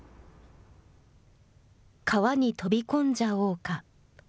川に飛び込んじゃおーか。